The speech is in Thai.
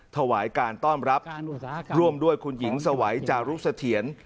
ถวายการต้อนรับร่วมด้วยคุณหญิงสวัยจารุเสถียร